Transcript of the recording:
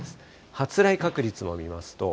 発雷確率も見ますと。